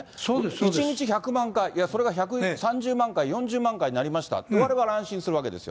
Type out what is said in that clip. １日１００万回、それが１３０万回、４０万回になりました、われわれ、安心するわけですよ。